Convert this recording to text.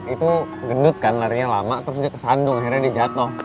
itu gendut kan larinya lama terus dia kesandung akhirnya dia jatuh